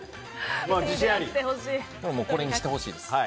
これにしてほしいです。